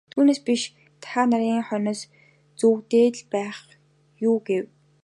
Түүнээс биш та нарын хойноос зүүгдээд л байхгүй юу гэв.